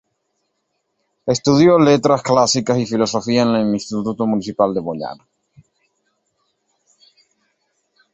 Estudió Letras Clásicas y Filosofía en el Instituto Municipal de Boñar.